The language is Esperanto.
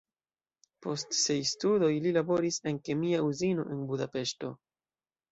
Post siaj studoj li laboris en kemia uzino en Budapeŝto.